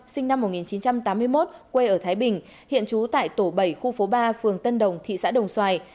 sinh năm một nghìn chín trăm tám mươi một quê ở thái bình hiện trú tại tổ bảy khu phố ba phường tân đồng thị xã đồng xoài